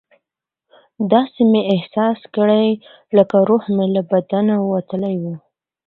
داسې مې احساس کړه لکه روح مې له بدنه وتلی وي.